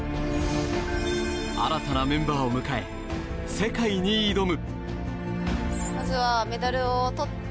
新たなメンバーを迎え世界に挑む！